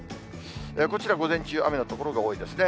こちら、午前中、雨の所が多いですね。